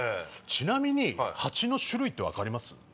ちなみに蜂の種類って分かります？